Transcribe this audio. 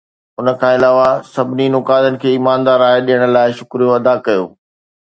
ان کان علاوه، سڀني نقادن کي ايماندار راء ڏيڻ لاء شڪريو ادا ڪيو.